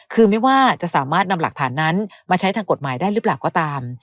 คือไม่ว่าจะสามารถนำหลักฐานนั้นมาใช้ทางกฎหมายได้หรือเปล่าก็ตาม